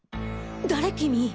誰君？